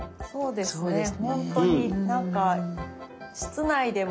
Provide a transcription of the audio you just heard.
そうですね。